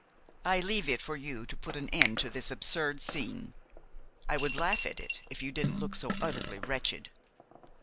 I leave it for you to put an end to this absurd scene. I would laugh at it if you didn't look so utterly wretched."